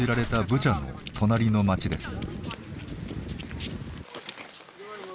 ブチャの隣の町です。